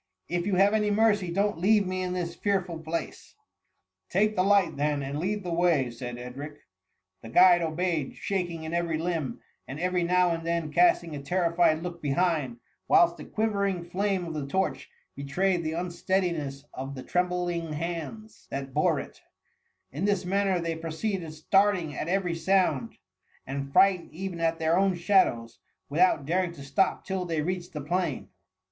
'^ If you have any mevc^, don^t leave me in this fearful place^ ^' Take the light then, and lead the way," said Edric. The guide obeyed, shaking in every limb, and every now and then casting a terrified look bdiiind, whilst the quivering flame of the torch betrayed the unsteadiness of the trembling hands 224 THE 1I0M1IY. that bore it In this manner they proceeded starting at every sound, and frightened even at their own shadows, without daring to stop till they reached the plain.